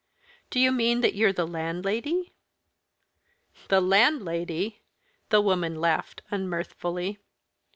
"Do you mean that you're the landlady?" "The landlady!" The woman laughed unmirthfully.